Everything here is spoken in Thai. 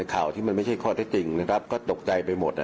ข่าวที่มันไม่ใช่ข้อเท็จจริงนะครับก็ตกใจไปหมด